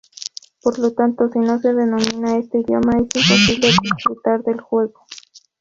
Por lo tanto, si no se domina este idioma es imposible disfrutar del juego.